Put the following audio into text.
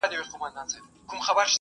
موږ ته ورکي لاري را آسانه کړي